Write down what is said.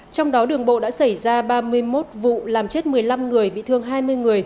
trong đó đường bộ đã xảy ra ba mươi một vụ làm chết một mươi năm người bị thương hai mươi người